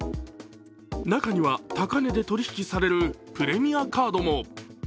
中には高値で取り引きされるプレミアカードも。